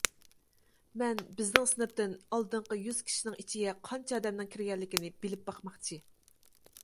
مەن بىزنىڭ سىنىپتىن ئالدىنقى يۈز كىشىنىڭ ئىچىگە قانچە ئادەمنىڭ كىرگەنلىكىنى بىلىپ باقماقچى.